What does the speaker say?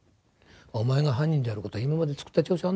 お前が犯人である事は今まで作った調書あるだろ。